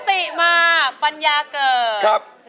ติมาปัญญาเกิด